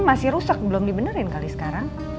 masih rusak belum dibenerin kali sekarang